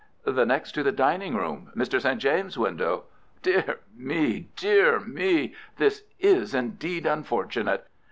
"The next to the dining room—Mr. St. James's window." "Dear me! Dear me! This is, indeed, unfortunate!